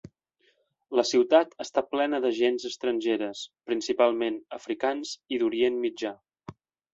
La ciutat està plena de gents estrangeres, principalment africans i d'Orient Mitjà.